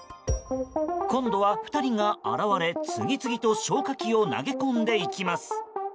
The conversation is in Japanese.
今度は２人が現れ、次々と消火器を投げ込んでいきます。